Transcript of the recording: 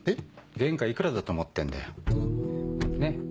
原価幾らだと思ってんだよねっ。